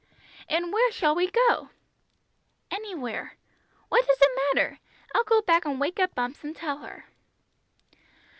"And where shall we go?" "Anywhere. What does it matter? I'll go back and wake up Bumps and tell her."